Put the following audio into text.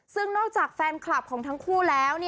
ซึ่งนอกจากแฟนคลับของทั้งคู่แล้ว